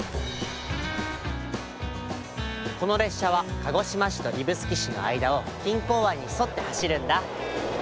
このれっしゃは鹿児島市と指宿市のあいだを錦江湾にそってはしるんだ。